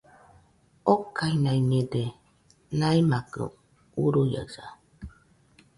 okainaiñede, naimakɨ uruiaɨsa